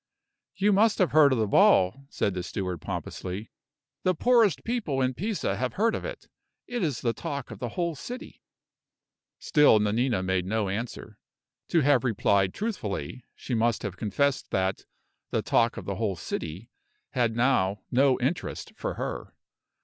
"You must have heard of the ball," said the steward, pompously; "the poorest people in Pisa have heard of it. It is the talk of the whole city." Still Nanina made no answer. To have replied truthfully, she must have confessed that "the talk of the whole city" had now no interest for her.